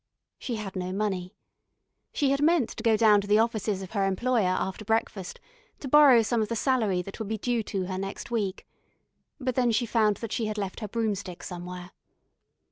She had no money. She had meant to go down to the offices of her employer after breakfast, to borrow some of the salary that would be due to her next week. But then she found that she had left her broomstick somewhere.